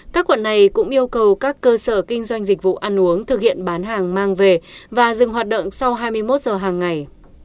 các quận này cũng yêu cầu các cơ sở kinh doanh dịch vụ ăn uống thực hiện bán hàng mang về và dừng hoạt động sau hai mươi một giờ hàng ngày